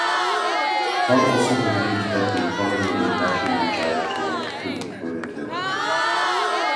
Some also believed that the economy would naturally drive toward full employment levels.